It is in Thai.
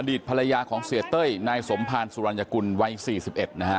อดีตภรรยาของเศรษฐ์เต้ยนายสมภารสุรรณยกุลวัยสี่สิบเอ็ดนะฮะ